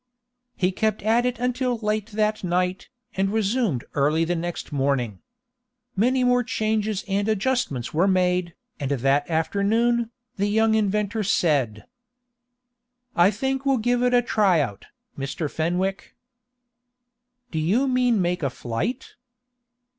He kept at it until late that night, and resumed early the next morning. Many more changes and adjustments were made, and that afternoon, the young inventor said: "I think we'll give it a try out, Mr. Fenwick." "Do you mean make a flight?"